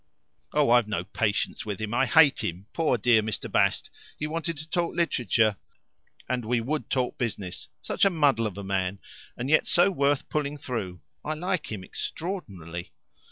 "Oh, I've no patience with him. I hate him. Poor dear Mr. Bast! he wanted to talk literature, and we would talk business. Such a muddle of a man, and yet so worth pulling through. I like him extraordinarily.